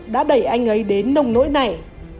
đã đẩy anh ấy đến nồng nỗi này